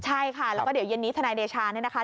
ใช่ค่ะแล้วก็เดี๋ยวเย็นนี้ทนายเดชาเนี่ยนะคะ